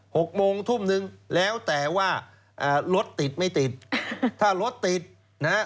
หกโมงทุ่มนึงแล้วแต่ว่าอ่ารถติดไม่ติดถ้ารถติดนะฮะ